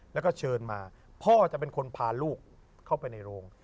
แล้วก็เชิญมาพ่อจะเป็นคนพาลูกเข้าไปในโรง